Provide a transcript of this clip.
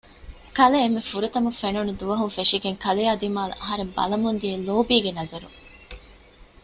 ކަލޭ އެންމެ ފުރަތަމަ ފެނުނު ދުވަހުން ފެށިގެން ކަލެއާ ދިމާއަށް އަހަރެން ބަލަމުންދަނީ ލޯބީގެ ނަޒަރުން